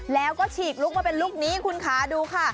แล้วก็ฉีกลุกมาเป็นลูกนี้คุณขาดูค่ะ